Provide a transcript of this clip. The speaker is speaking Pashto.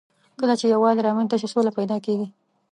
کله چې یووالی رامنځ ته شي، سوله پيدا کېږي.